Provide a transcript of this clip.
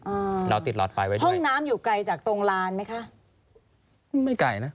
อ่าเราติดหลอดไฟไว้ด้วยห้องน้ำอยู่ไกลจากตรงลานไหมคะไม่ไกลนะ